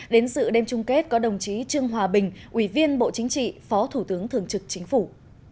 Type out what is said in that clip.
đến sự đêm chung kết có đồng chí trương hòa bình ủy viên bộ chính trị phó thủ tướng thường trực chính phủ